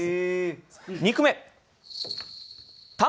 ２句目。